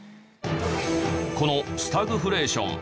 このスタグフレーション